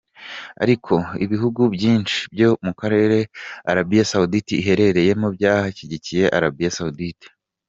Ariko ibihugu byinshi byo mu karere Arabie Saoudite iherereyemo byashyigikiye Arabie Saoudite.